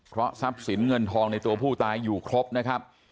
เพราะทรัพย์สินเงินทองในตัวผู้ตายอยู่ครบนะครับ